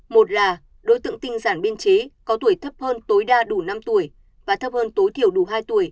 một là đối tượng tinh giản biên chế có tuổi thấp hơn tối đa đủ năm tuổi và thấp hơn tối thiểu đủ hai tuổi